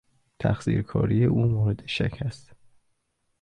تقصیرکاری او مورد شک است.